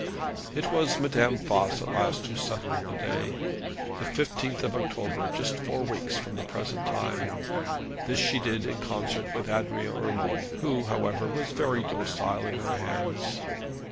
It was Madame Voss at last who settled the day, the 15th of October, just four weeks from the present time. This she did in concert with Adrian Urmand, who, however, was very docile in her hands.